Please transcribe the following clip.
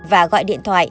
và gọi điện thoại